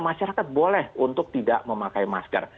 masyarakat boleh untuk tidak memakai masker